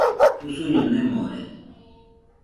Usuño nemore.